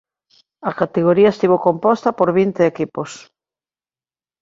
A categoría estivo composta por vinte equipos.